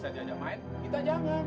kalau udah main kita jangan